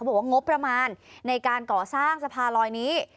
บอกว่างบประมาณในการก่อสร้างสะพานลอยนี้